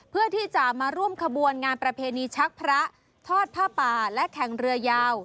เพื่อที่จะมาร่วมขบวนงานประเพณีชักพระทอดผ้าป่าและแข่งเรือยาว